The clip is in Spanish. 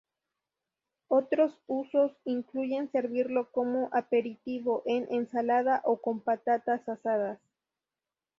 Otros usos incluyen servirlo como aperitivo, en ensalada, o con patatas asadas.